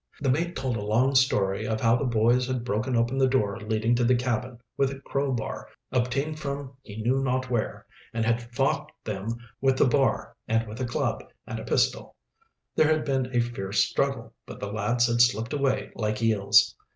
The mate told a long story of how the boys had broken open the door leading to the cabin, with a crowbar, obtained from he knew not where, and had fought them with the bar and with a club and a pistol. There had been a fierce struggle, but the lads had slipped away like eels.